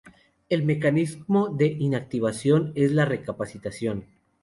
El mecanismo de inactivación es la recaptación.